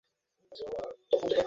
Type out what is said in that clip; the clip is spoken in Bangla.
সব ঘটনার সাথে ফোনের যোগসূত্র হয়েছে।